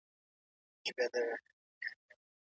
سفیران به خلګو ته ازادي ورکړي.